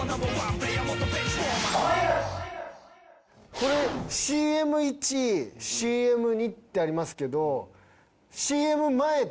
これＣＭ１ＣＭ２ってありますけど。